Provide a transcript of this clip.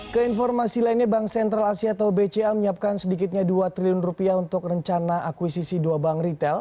keinformasi lainnya bank sentral asia atau bca menyiapkan sedikitnya dua triliun rupiah untuk rencana akuisisi dua bank retail